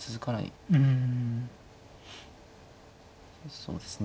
そうですね